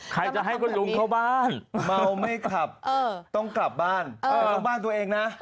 ใครจะให้คุณลุงเข้าบ้านเมาไม่ขับต้องกลับบ้านไม่ต้องบ้านตัวเองนะ